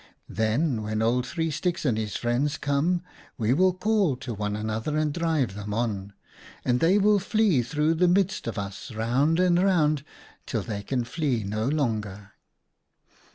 Then when Old Three Sticks and his friends come we will call one to the other and drive them on, and they will flee through the midst of THE OSTRICH HUNT 143 us, round and round and round till they can flee no longer.'